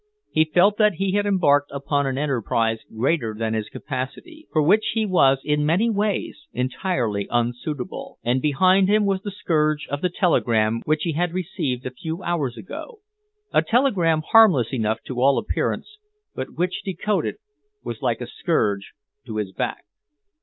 He felt that he had embarked upon an enterprise greater than his capacity, for which he was in many ways entirely unsuitable. And behind him was the scourge of the telegram which he had received a few hours ago, a telegram harmless enough to all appearance, but which, decoded, was like a scourge to his back.